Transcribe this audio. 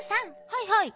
はいはい。